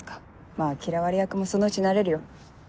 まぁ嫌われ役もそのうち慣れるよ。